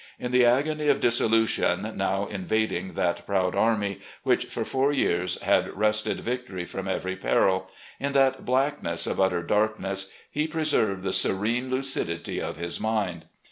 In the agony of dissolution now invading that proud army, which for four years had wrested victory from every peril, in that blackness of utter darkness, he preserved the serene lucidity of his mind.